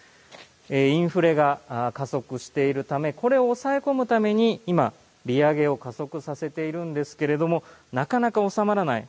インフレが加速しているためこれを抑え込むために今、利上げを加速させているんですけれどもなかなか収まらない。